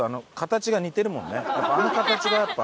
あの形がやっぱ。